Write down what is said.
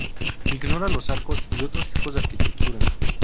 Ignora los arcos y otros tipos de arquitectura.